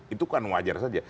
itu kan wajar saja